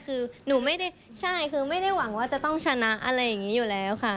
คือหนูไม่ได้ใช่คือไม่ได้หวังว่าจะต้องชนะอะไรอย่างนี้อยู่แล้วค่ะ